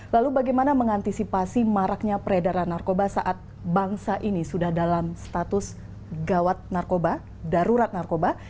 lalu bagaimana mengantisipasi maraknya peredaran narkoba saat bangsa ini sudah dalam status gawat narkoba darurat narkoba